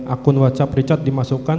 akun whatsapp richard dimasukkan